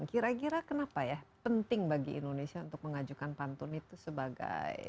kira kira kenapa ya penting bagi indonesia untuk mengajukan pantun itu sebagai